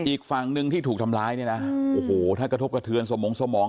อีกฝั่งหนึ่งที่ถูกทำร้ายเนี่ยนะโอ้โหถ้ากระทบกระเทือนสมงสมอง